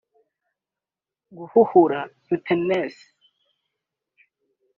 Guhuhura(euthanasie)